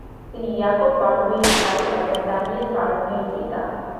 তিনি ইয়াকপ বার্নুয়ির ভাই এবং দানিয়েল বার্নুয়ির পিতা।